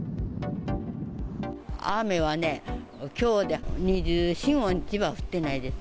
雨はね、きょうで２４、５日は降ってないです。